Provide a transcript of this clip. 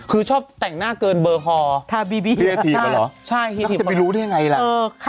คือชอบแต่งหน้าเกินเบอร์คอว่าเห็ดดีหรอใช่พี่เขาจะไปรู้ได้ยังไงแหละ